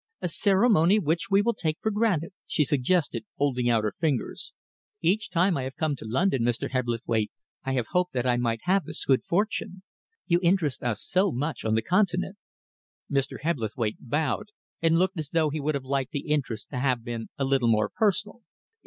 "A ceremony which we will take for granted," she suggested, holding out her fingers. "Each time I have come to London, Mr. Hebblethwaite, I have hoped that I might have this good fortune. You interest us so much on the Continent." Mr. Hebblethwaite bowed and looked as though he would have liked the interest to have been a little more personal.